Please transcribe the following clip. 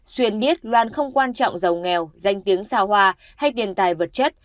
xuyên biết loan không quan trọng giàu nghèo danh tiếng xao hoa hay tiền tài vật chất